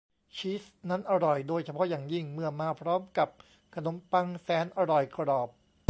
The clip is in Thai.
ชีสนั้นอร่อยโดยเฉพาะอย่างยิ่งเมื่อมาพร้อมกับขนมปังแสนอร่อยกรอบ